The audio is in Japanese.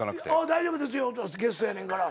大丈夫ゲストやねんから。